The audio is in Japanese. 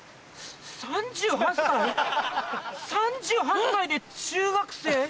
３８歳⁉３８歳で中学生？